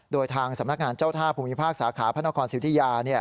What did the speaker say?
โดยทางสำนักงานเจ้าท่าภูมิภาคสาขาพระนครสิทธิยา